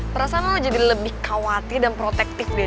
perasaan lo jadi lebih khawatir dan protektif dari gue